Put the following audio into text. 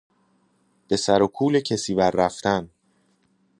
به سر و کول کسی وررفتن